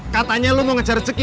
katanya lo mau ngejar rezeki